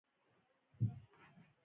افغانستان زما کور دی؟